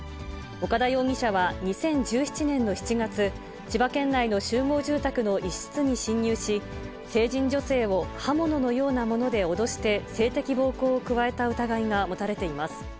岡田容疑者は２０１７年の７月、千葉県内の集合住宅の一室に侵入し、成人女性を刃物のようなもので脅して、性的暴行を加えた疑いが持たれています。